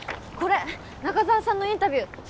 これ中沢さんのインタビュー